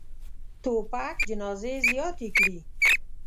توپک جنازې زیاتې کړي.